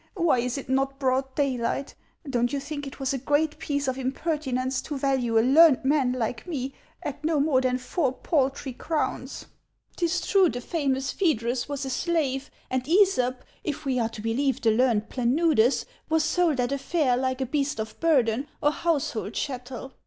Why is it not broad daylight ? Don't you think it was a great piece of impertinence to value a learned man like me at no more than four paltry crowns ? 'T is true, the famous Phaedrus was a slave, and ^sop, if we are to believe the learned Planudes, was sold at a fair like a beast of burden or household chattel.